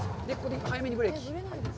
早めにブレーキ。